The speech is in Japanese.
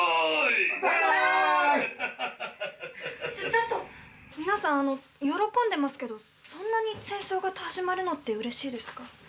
ちょっと皆さん喜んでますけどそんなに戦争が始まるのってうれしいですか？